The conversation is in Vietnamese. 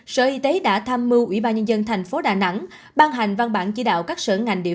sở y tế đã tham mưu ủy ban nhân dân thành phố đà nẵng ban hành văn bản chỉ đạo các sở ngành địa phương